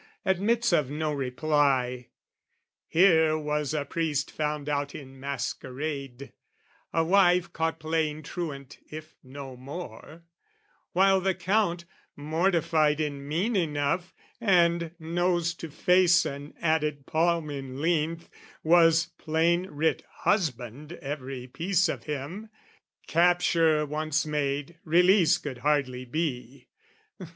admits of no reply. Here was a priest found out in masquerade, A wife caught playing truant if no more; While the Count, mortified in mien enough, And, nose to face, an added palm in length, Was plain writ "husband" every piece of him: Capture once made, release could hardly be.